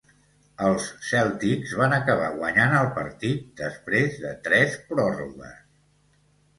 Els Celtics van acabar guanyant el partit després de tres pròrrogues.